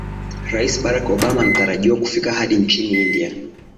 rais barack obama anatarajiwa kufika hadi nchini india